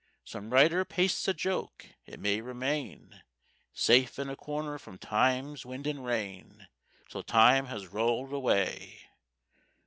Some writer pastes a joke; it may remain Safe in a corner from Time's wind and rain Till Time has rolled away.